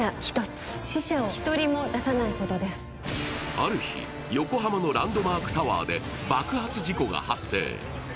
ある日、横浜のランドマークタワーで爆発事故が発生。